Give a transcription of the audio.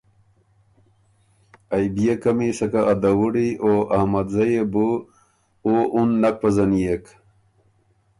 ائ بيې قمی سکه ا دَوُړي او احمدزئ يې بُو او اُن نک پزنيېک